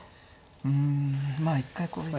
うんまあ一回これで。